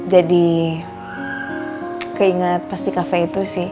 jadi keinget pasti cafe itu sih